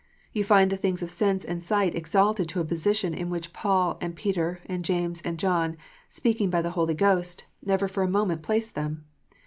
You find the things of sense and sight exalted to a position in which Paul, and Peter, and James, and John, speaking by the Holy Ghost, never for a moment placed them.